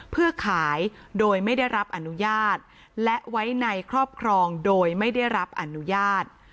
เพื่อขายโดยไม่ได้รับอนุญาตและไว้ในครอบครองโดยไม่ได้รับอนุญาต